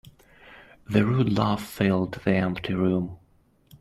The rude laugh filled the empty room.